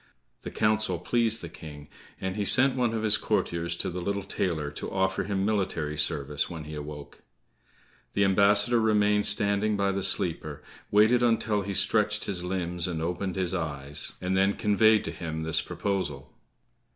The counsel pleased the King, and he sent one of his courtiers to the little tailor to offer him military service when he awoke. The ambassador remained standing by the sleeper, waited until he stretched his limbs and opened his eyes, and then conveyed to him this proposal.